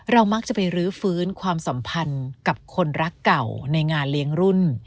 มักจะไปรื้อฟื้นความสัมพันธ์กับคนรักเก่าในงานเลี้ยงรุ่น